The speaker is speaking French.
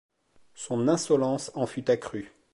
Son insolence en fut accrue.